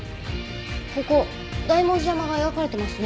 ここ大文字山が描かれてますね。